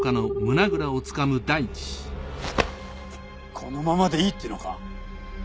このままでいいっていうのか！